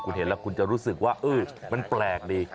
คุณเห็นแล้วคุณจะรู้สึกว่ามันแปลกดี